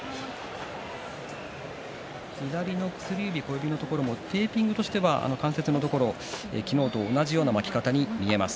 左の薬指、小指のところもテーピングとしては関節のところ昨日と同じような巻き方に見えます。